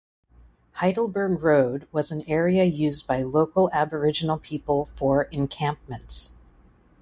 Heidelberg Road was an area used by local Aboriginal people for encampments.